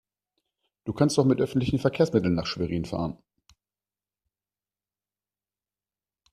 Du kannst doch mit öffentlichen Verkehrsmitteln nach Schwerin fahren